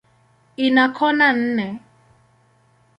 Ina kona nne.